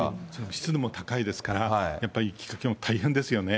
湿度も高いですから、やっぱり雪かきも大変ですよね。